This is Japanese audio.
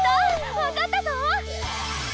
わかったぞ！